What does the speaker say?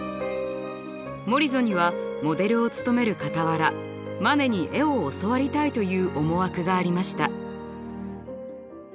モリゾにはモデルをつとめる傍らマネに絵を教わりたいという思惑がありました。